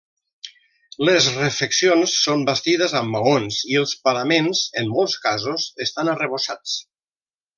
Les refeccions són bastides amb maons i els paraments, en molts casos, estan arrebossats.